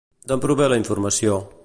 D'on prové la informació?